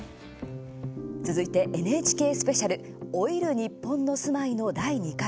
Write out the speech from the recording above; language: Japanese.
続いて、ＮＨＫスペシャル「老いる日本の“住まい”」の第２回。